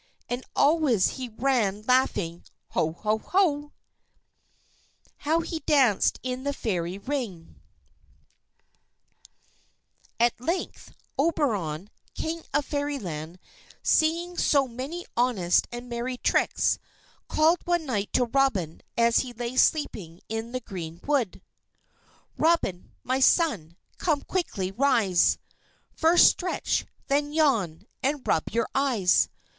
And always he ran laughing, "Ho! Ho! Ho!" HOW HE DANCED IN THE FAIRY RING At length Oberon, King of Fairyland, seeing so many honest and merry tricks, called one night to Robin as he lay sleeping in the green wood: "_Robin, my son, come, quickly rise! First stretch, then yawn, and rub your eyes.